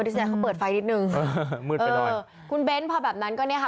ดิจัยเขาเปิดไฟนิดหนึ่งคุณเบ้นพอแบบนั้นก็เนี้ยค่ะ